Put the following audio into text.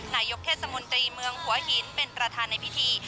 นายกเทศมนตรีเมืองหัวหินเป็นประธานในพิธี